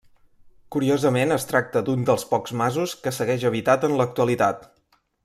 Curiosament es tracta d'un dels pocs masos que segueix habitat en l'actualitat.